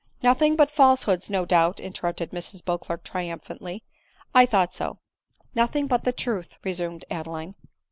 " Nothing but falsehoods, no doubt, " interrupted Mrs Beauclerc triumphantly, —" I thought so." " Nothing but the truth !" resumed Adeline.